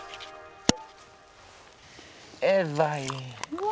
うわ！